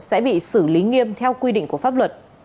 sẽ bị xử lý nghiêm theo quy định của pháp luật